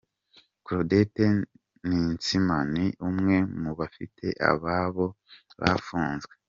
Claudette Ninsiima ni umwe mu bafite ababo bafunzwe.